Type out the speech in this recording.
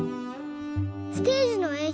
ステージのえん